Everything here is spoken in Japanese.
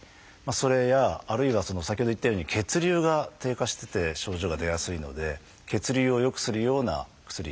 それやあるいは先ほど言ったように血流が低下してて症状が出やすいので血流を良くするような薬